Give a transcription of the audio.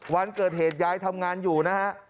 วันเกิดเหตุยายทำงานอยู่นะฮะ